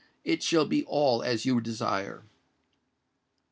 It shall be all as you desire."